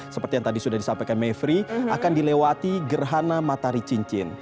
seperti yang tadi sudah disampaikan mevri akan dilewati gerhana matahari cincin